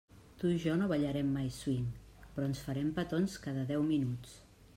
Tu i jo no ballarem mai swing, però ens farem petons cada deu minuts.